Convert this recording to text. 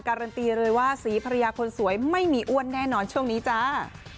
การันตีเลยว่าสีภรรยาคนสวยไม่มีอ้วนแน่นอนช่วงนี้จ้า